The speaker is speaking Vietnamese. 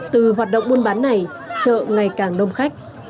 từ hoạt động buôn bán này chợ ngày càng đông khách